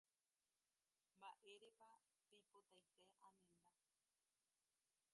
Mba'éretepa peipotaite amenda.